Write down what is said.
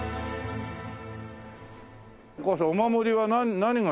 お母さんお守りは何がいいの？